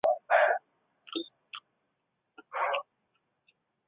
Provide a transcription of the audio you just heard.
其源头可能来自加利福尼亚州文图拉县的葱。